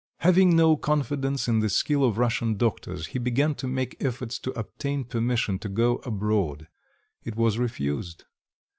Having no confidence in the skill of Russian doctors, he began to make efforts to obtain permission to go abroad. It was refused.